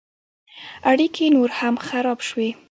اړیکې نور هم خراب شوې.